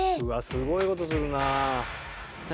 すごいことするなあ。